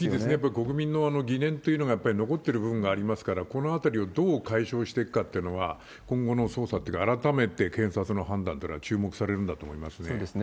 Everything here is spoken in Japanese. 国民には疑念というのがやっぱり残ってる部分がありますから、このあたりをどう解消していくかっていうのは、今後の捜査っていうか、改めて検察の判断っていうのは注目されるそうですね。